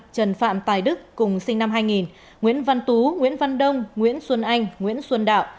trần phạm tài đức cùng sinh năm hai nghìn nguyễn văn tú nguyễn văn đông nguyễn xuân anh nguyễn xuân đạo